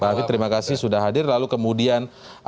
pak hafid terima kasih sudah hadir lalu kembali lagi terima kasih